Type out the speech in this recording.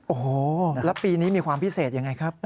โอ้โหแล้วปีนี้มีความพิเศษยังไงครับ